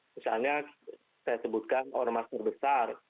misalnya saya sebutkan orang orang besar